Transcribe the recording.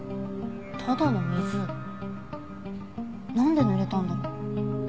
ただの水なんでぬれたんだろう？